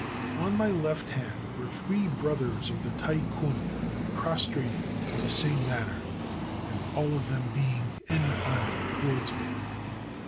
On my left hand were three brothers of the Tai kun prostrated in the same manner, and all of them being "end on" to wards me.